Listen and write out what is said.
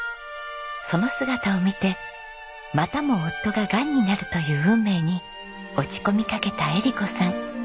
その姿を見てまたも夫ががんになるという運命に落ち込みかけた絵理子さん。